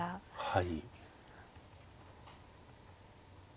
はい。